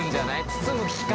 包む機械。